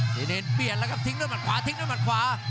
สีนินเบียดแล้วครับทิ้งด้วยหมัดขวาทิ้งด้วยหมัดขวา